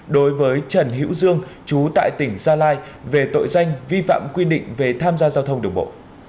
đối với trần hữu dương chú tại tỉnh gia lai về tội danh vi phạm quy định về tham gia giao thông đường bộ